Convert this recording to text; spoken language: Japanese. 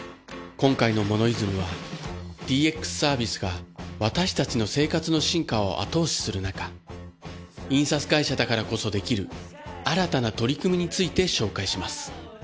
今回の『モノイズム』はＤＸサービスが私たちの生活の進化を後押しするなか印刷会社だからこそできる新たな取り組みについて紹介します。